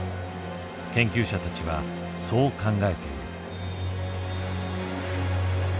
研究者たちはそう考えている。